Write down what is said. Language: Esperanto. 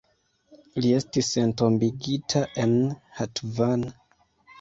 Li estis entombigita en Hatvan.